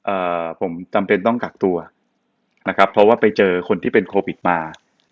เอ่อผมจำเป็นต้องกักตัวนะครับเพราะว่าไปเจอคนที่เป็นโควิดมา